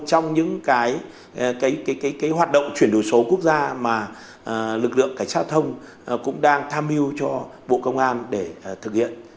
trong những cái hoạt động chuyển đổi số quốc gia mà lực lượng cảnh sát thông cũng đang tham hiu cho bộ công an để thực hiện